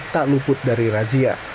tak luput dari razia